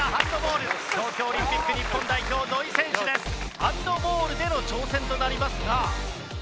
ハンドボールでの挑戦となりますが。